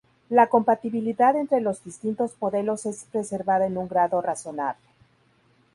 La compatibilidad entre los distintos modelos es preservada en un grado razonable.